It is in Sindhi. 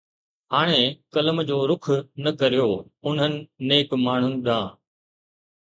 ھاڻي قلم جو رخ نه ڪريو انھن نيڪ ماڻھن ڏانھن.